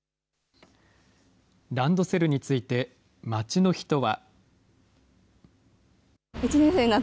ランドセルについて街の人は。